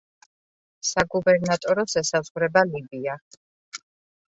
საგუბერნატოროს ესაზღვრება ლიბია.